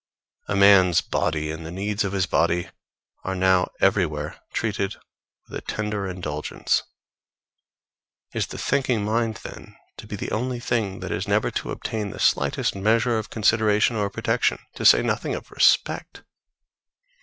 A man's body and the needs of his body are now everywhere treated with a tender indulgence. Is the thinking mind then, to be the only thing that is never to obtain the slightest measure of consideration or protection, to say nothing of respect?